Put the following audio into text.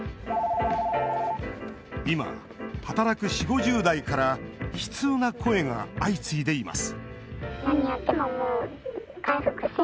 今、働く４０５０代から悲痛な声が相次いでいます